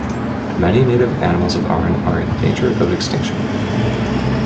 Many native animals of Aran are in danger of extinction.